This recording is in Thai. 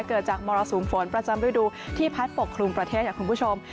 เกิดจากมรสุมฝนประจำฤดูที่พัดปกครุมประเทศค่ะคุณผู้ชม